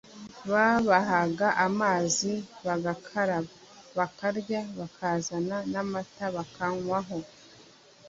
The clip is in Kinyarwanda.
babahaga amazi bagakaraba, bakarya, bakazana n’amata bakanywaho